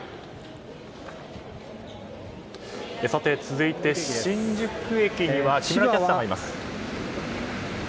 続いて、新宿駅には木村さんがいます。